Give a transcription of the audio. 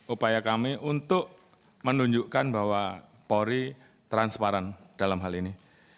upaya kami untuk menunjukkan bahwa polri transparan dalam hal ini